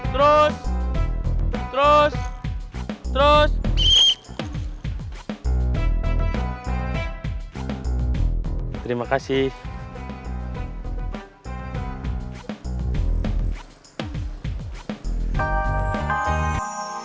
terus terus terus terus terus terus